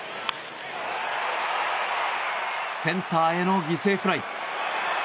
センターへの犠牲フライ。